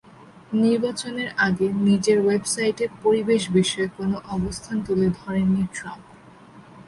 নির্বাচনের আগে নিজের ওয়েবসাইটে পরিবেশ বিষয়ে কোনো অবস্থান তুলে ধরেননি ট্রাম্প।